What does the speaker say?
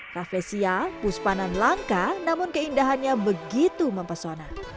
raffesia puspanan langka namun keindahannya begitu mempesona